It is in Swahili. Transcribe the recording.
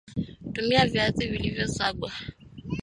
tumia Viazi vilivyosagwa